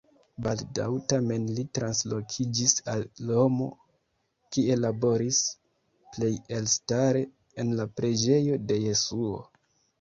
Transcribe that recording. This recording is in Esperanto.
Baldaŭ tamen li translokiĝis al Romo, kie laboris, plej elstare en la preĝejo de Jesuo.